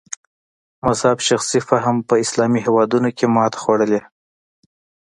مذهب شخصي فهم په اسلامي هېوادونو کې ماتې خوړلې.